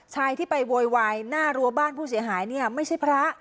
ชายที่ไปโวยวายหน้ารั้วบ้านผู้เสียหายเนี่ยไม่ใช่พระ